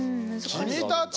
君たち！